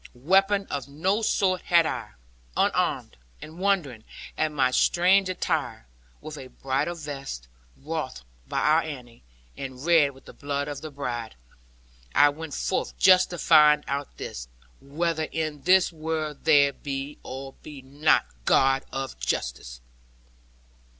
Weapon of no sort had I. Unarmed, and wondering at my strange attire (with a bridal vest, wrought by our Annie, and red with the blood of the bride), I went forth just to find out this; whether in this world there be or be not God of justice.